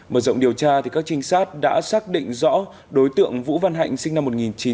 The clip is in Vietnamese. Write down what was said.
mở rộng điều tra các trinh sát đã xác định rõ đối tượng vũ văn hạnh sinh năm một nghìn chín trăm tám mươi